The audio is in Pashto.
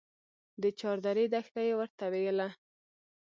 د چاردرې دښته يې ورته ويله.